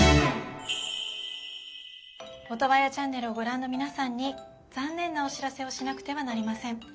オトワヤチャンネルをご覧の皆さんに残念なお知らせをしなくてはなりません。